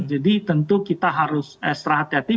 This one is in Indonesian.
jadi tentu kita harus extra hati hati